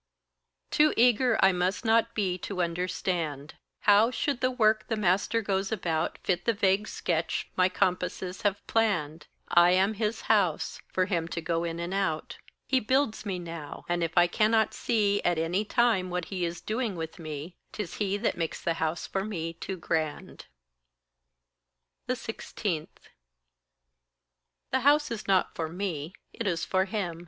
Too eager I must not be to understand. How should the work the master goes about Fit the vague sketch my compasses have planned? I am his house for him to go in and out. He builds me now and if I cannot see At any time what he is doing with me, 'Tis that he makes the house for me too grand. 16. The house is not for me it is for him.